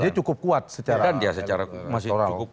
jadi cukup kuat secara seorang